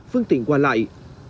phương tiện qua lại